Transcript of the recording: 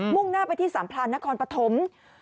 ่งหน้าไปที่สามพลานนครปฐม